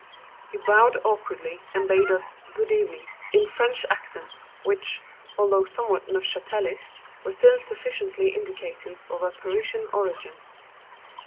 He bowed awkwardly, and bade us "good evening," in French accents, which, although somewhat Neufchatelish, were still sufficiently indicative of a Parisian origin.